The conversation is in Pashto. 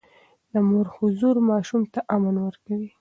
د مور حضور ماشوم ته امن ورکوي.